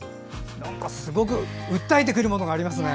なんかすごく訴えてくるものがありますね。